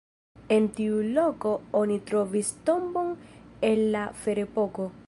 En tiu loko oni trovis tombon el la ferepoko.